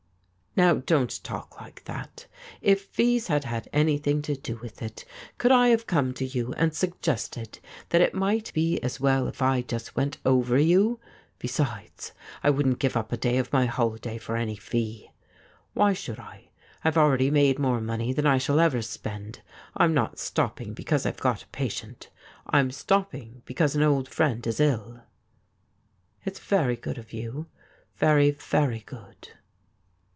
'' Now, don't talk like that. If fees had had anything to do with it, could I have come to you and suggest ed that it might be as well 28 THIS IS ALL if I just went over you ? Besides, I wouldn't give up a day of my holiday for any fee. Why should I ? I've already made more money than I shall ever spend. I'm not stopping because I've got a patient. I'm stopping because an old friend is ill.' ' It's very good of you — very, very good.'